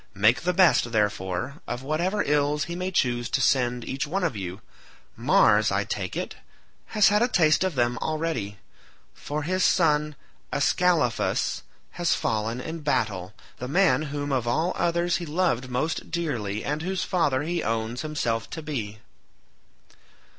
Make the best, therefore, of whatever ills he may choose to send each one of you; Mars, I take it, has had a taste of them already, for his son Ascalaphus has fallen in battle—the man whom of all others he loved most dearly and whose father he owns himself to be."